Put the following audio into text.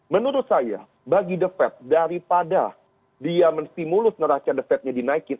menurut saya bagi the fed daripada dia mensimulus neraca the fed nya dinaikin